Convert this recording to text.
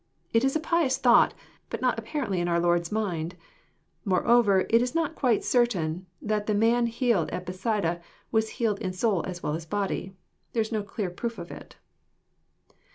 It is a pious thought, but not apparently in our Lord's mind. More over, it is not quite certain that the man healed at Bethesda was healed in soul as well as body. There Is no clear proof of it.